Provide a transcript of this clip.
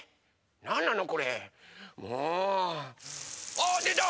あでた！